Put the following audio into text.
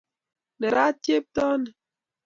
Nerat chepto ni